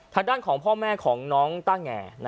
ทางด้านของพ่อแม่ของน้องต้าแง